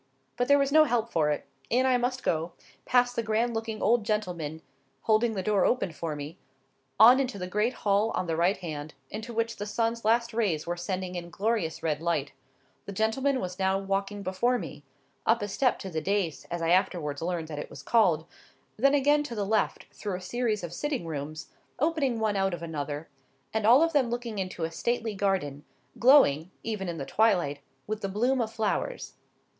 But there was no help for it; in I must go; past the grand looking old gentleman holding the door open for me, on into the great hall on the right hand, into which the sun's last rays were sending in glorious red light,—the gentleman was now walking before me,—up a step on to the dais, as I afterwards learned that it was called,—then again to the left, through a series of sitting rooms, opening one out of another, and all of them looking into a stately garden, glowing, even in the twilight, with the bloom of flowers.